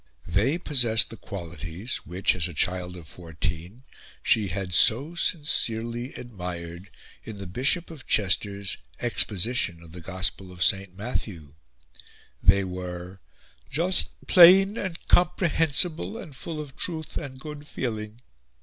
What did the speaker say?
They possessed the qualities, which, as a child of fourteen, she had so sincerely admired in the Bishop of Chester's "Exposition of the Gospel of St. Matthew;" they were "just plain and comprehensible and full of truth and good feeling."